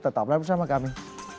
tetaplah bersama kami